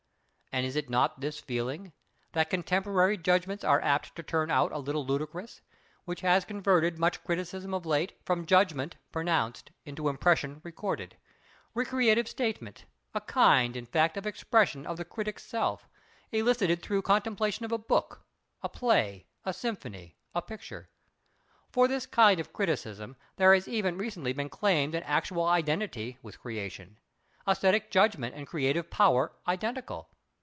And is it not this feeling, that contemporary judgments are apt to turn out a little ludicrous, which has converted much criticism of late from judgment pronounced into impression recorded—recreative statement—a kind, in fact, of expression of the critic's self, elicited through contemplation of a book, a play, a symphony, a picture? For this kind of criticism there has even recently been claimed an actual identity with creation. Esthetic judgment and creative power identical!